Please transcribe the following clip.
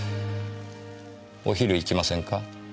お昼行きませんか？